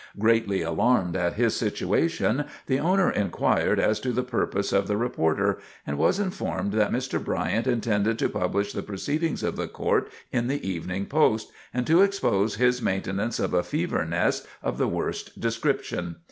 Greatly alarmed at his situation, the owner inquired as to the purpose of the reporter, and was informed that Mr. Bryant intended to publish the proceedings of the court in the Evening Post, and to expose his maintenance of a fever nest of the worst description.